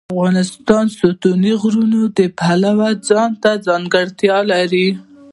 افغانستان د ستوني غرونه د پلوه ځانته ځانګړتیا لري.